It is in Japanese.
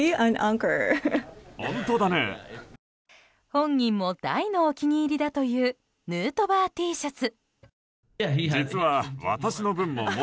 本人も大のお気に入りだというヌートバーＴシャツ。